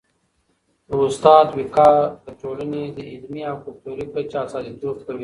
د استاد وقار د ټولني د علمي او کلتوري کچي استازیتوب کوي.